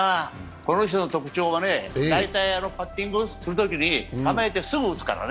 この人の特徴はね、パッティングするときに構えてすぐ打つからね。